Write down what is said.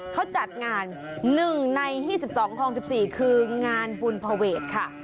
เขาจัดงาน๑ใน๒๒คลอง๑๔คืองานบุญภเวทค่ะ